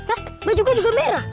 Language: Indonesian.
ah baju gua juga merah